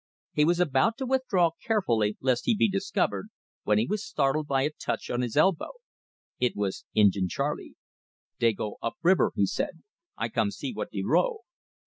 He was about to withdraw carefully lest he be discovered, when he was startled by a touch on his elbow. It was Injin Charley. "Dey go up river," he said. "I come see what de row."